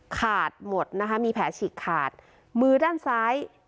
ขาดหมดนะคะมีแผลฉีกขาดมือด้านซ้าย